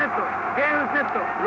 ゲームセット！